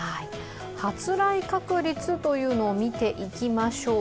発雷確率というのを見ていきましょう。